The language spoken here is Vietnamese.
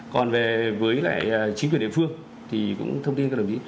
còn với chính quyền địa phương thì cũng thông tin các đồng ý